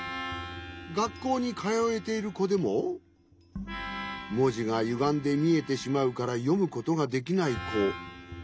がっこうにかよえているこでももじがゆがんでみえてしまうからよむことができないこ。